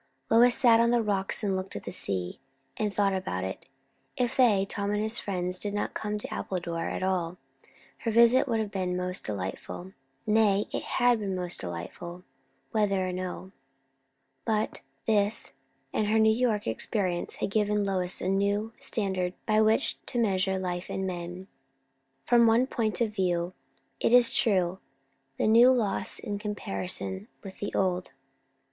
Lois sat on the rocks and looked at the sea, and thought about it. If they, Tom and his friends, had not come to Appledore at all, her visit would have been most delightful; nay, it had been most delightful, whether or no; but this and her New York experience had given Lois a new standard by which to measure life and men. From one point of view, it is true, the new lost in comparison with the old.